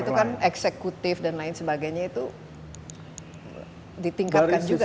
itu kan eksekutif dan lain sebagainya itu ditingkatkan juga